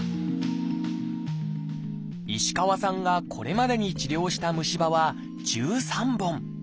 石川さんがこれまでに治療した虫歯は１３本。